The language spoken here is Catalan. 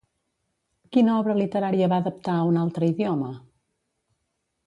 Quina obra literària va adaptar a un altre idioma?